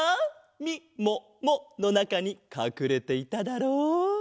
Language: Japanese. みもものなかにかくれていただろう。